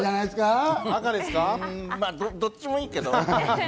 どっちでもいいですけど。